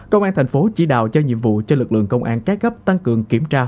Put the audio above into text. công an thành phố chỉ đạo cho nhiệm vụ cho lực lượng công an các cấp tăng cường kiểm tra